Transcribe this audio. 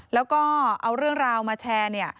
แล้วก็เอาเรื่องราวมาแชร์เนี่ย